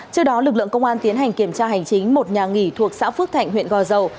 trước đó lực lượng công an tiến hành kiểm tra hành chính một nhà nghỉ thuộc xã phước thạnh huyện gò dầu